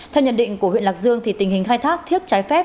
theo nhận định của huyện lạc dương tình hình khai thác thiết trái phép